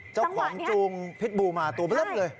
เจ้าของจูงพิษบูมาตัวประจำเลย